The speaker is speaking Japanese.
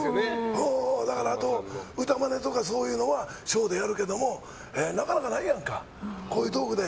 だから、あと歌マネとかはショーでやるけどなかなかないやんかこういうとこで。